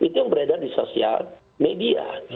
itu yang beredar di sosial media